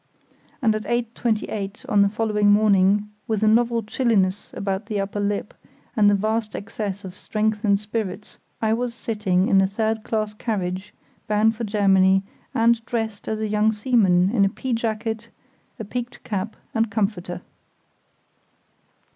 And at 8.28 on the following morning, with a novel chilliness about the upper lip, and a vast excess of strength and spirits, I was sitting in a third class carriage, bound for Germany, and dressed as a young seaman, in a pea jacket, peaked cap, and comforter.